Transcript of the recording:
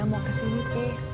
mau kesini sih